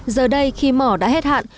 giờ đây khi mỏ đã hết hạn